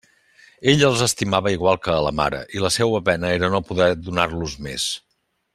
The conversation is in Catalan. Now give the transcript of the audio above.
Ell els estimava igual que a la mare, i la seua pena era no poder donar-los més.